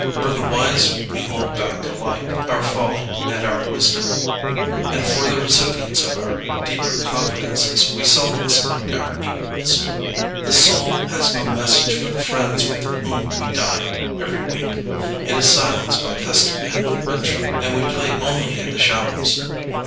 From the wise we hold back alike our folly and our wisdom, and for the recipients of our deeper confidences we seldom select our equals. The soul has no message for the friends with whom we dine every week. It is silenced by custom and convention, and we play only in the shallows.